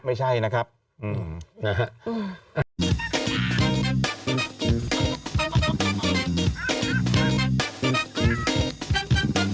โปรดติดตามตอนต่อไป